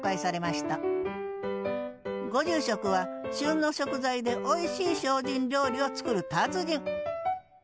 ご住職は旬の食材でおいしい精進料理を作る達人